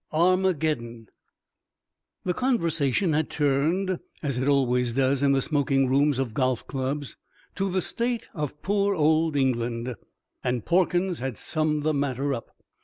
ARMAGEDDON The conversation had turned, as it always does in the smoking rooms of golf clubs, to the state of poor old England, and Porkins had summed the matter up.